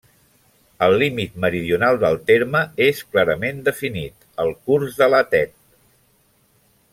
El límit meridional del terme és clarament definit: el curs de la Tet.